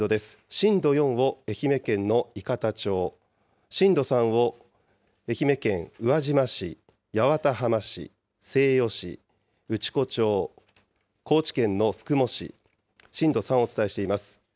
震度４を愛媛県の伊方町、震度３を愛媛県宇和島市、八幡浜市、西予市、内子町、高知県の宿毛市、震度３をお伝えしています。